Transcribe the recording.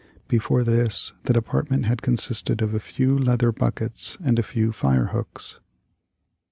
Before this the department had consisted of a few leather buckets and a few fire hooks.